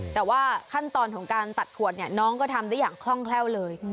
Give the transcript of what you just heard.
แต่ว่าขั้นตอนของการตัดขวดเนี่ยน้องก็ทำได้อย่างคล่องแคล่วเลย